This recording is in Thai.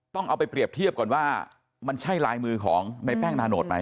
ต้องเอาไปเปรียบเทียบก่อนว่ามันใช่ลายมือของในแป้งนาโนตไหม